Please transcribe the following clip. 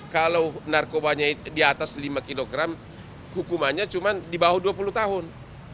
kalau narkobanya di atas lima kg hukumannya cuma di bawah dua puluh tahun